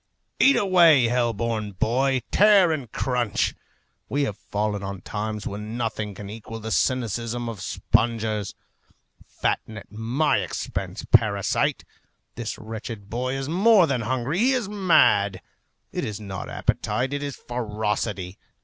Eat away, hell born boy! Tear and crunch! We have fallen on times when nothing can equal the cynicism of spongers. Fatten at my expense, parasite! This wretched boy is more than hungry; he is mad. It is not appetite, it is ferocity.